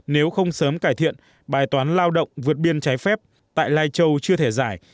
nếu không sớm cải thiện bài toán lao động vượt biên trái phép tại lai châu chưa thể giải